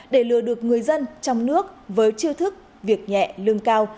để lừa được người dân trong nước với chiêu thức việc nhẹ lương cao